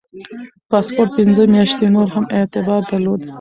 پاسپورت پنځه میاشتې نور هم اعتبار درلود.